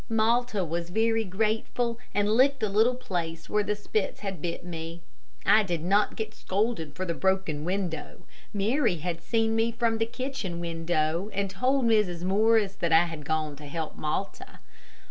Malta was very grateful, and licked a little place where the Spitz bit me. I did not get scolded for the broken window. Mary had seen me from the kitchen window, and told Mrs. Morris that I had gone to help Malta.